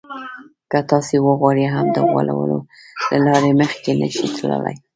که تاسې وغواړئ هم د غولولو له لارې مخکې نه شئ تللای.